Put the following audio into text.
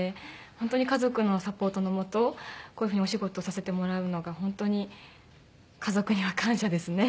本当に家族のサポートの下こういう風にお仕事をさせてもらうのが本当に家族には感謝ですね。